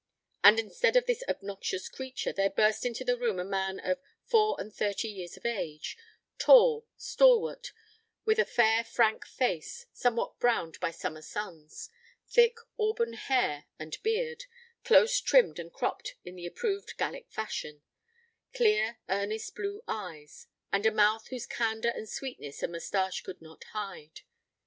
And instead of this obnoxious creature there burst into the room a man of four and thirty years of age, tall, stalwart, with a fair frank face, somewhat browned by summer suns; thick auburn hair and beard, close trimmed and cropped in the approved Gallic fashion clear earnest blue eyes, and a mouth whose candour and sweetness a moustache could not hide.